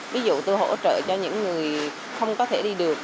ví dụ tôi hỗ trợ cho những người không có thể đi được